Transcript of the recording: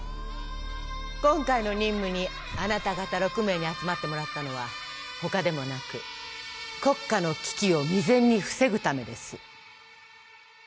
今回の任務にあなた方６名に集まってもらったのはほかでもなく国家の危機を未然に防ぐためです